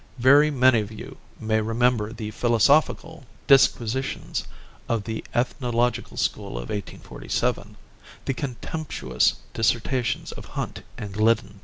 Very many of you may remember the philosophical disquisitions of the ethnological school of 1847, the contemptuous dissertations of Hunt and Gliddon.